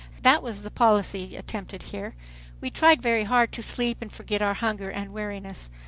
That was the policy attempted here. We tried very hard to sleep and forget our hunger and weariness.